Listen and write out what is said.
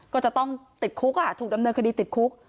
ก็จะต้องติดคุกถูกดำเนินคดีติดคุก